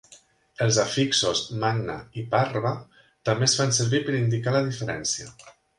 Els afixos 'magna' i 'parva' també es fan servir per indicar la diferència.